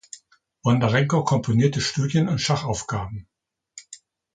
Bondarenko komponierte Studien und Schachaufgaben.